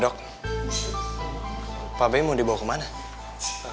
dok pak bem mau dibawa kemana